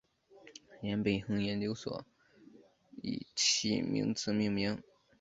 廷贝亨研究所以其名字命名。